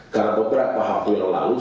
karena beberapa hal hal yang sudah dilakukan